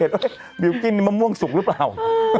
เห็นไหมบิลกิ้นมะม่วงสุกหรือเปล่า